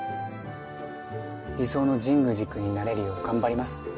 理想の神宮寺君になれるよう頑張ります